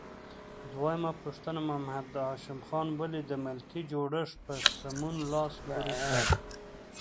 دویمه پوښتنه: محمد هاشم خان ولې د ملکي جوړښت په سمون لاس پورې کړ؟